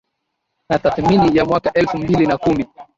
na tathmini ya mwaka elfu mbili na kumi